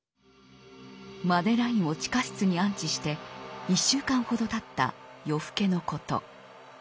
マデラインを地下室に安置して１週間ほどたった夜更けのこと。